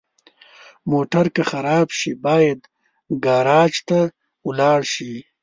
موټر که خراب شي، باید ګراج ته ولاړ شي.